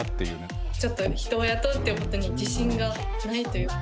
ちょっと人を雇うっていうことに自信がないという。